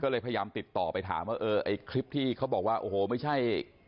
ก็เลยพยายามติดต่อไปถามว่าเออไอ้คลิปที่เขาบอกว่าโอ้โหไม่ใช่